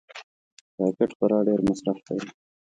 راکټ خورا ډېر مصرف لري